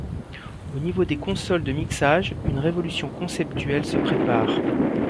Au niveau des consoles de mixage, une révolution conceptuelle se prépare.